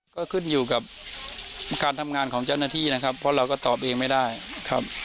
ก็ขึ้นอยู่กับการทำงานของเจ้าหน้าที่นะครับเพราะเราก็ตอบเองไม่ได้ครับ